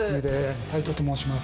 斎藤と申します